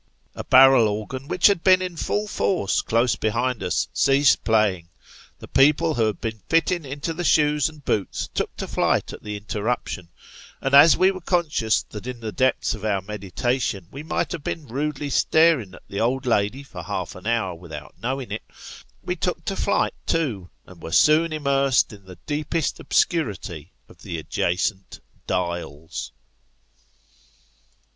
A barrel organ, which had been in full force close behind us, ceased playing ; the people we had been fitting into the shoes and boots took to flight at the interruption ; and as we were conscious that in the depth of our meditations we might have been rudely staring at the old lady for half an hour without knowing it, wo took to flight too, and were soon immersed in the deepest obscurity of the adjacent " Dials."